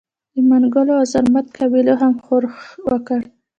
د منګلو او زرمت قبایلو هم ښورښ وکړ.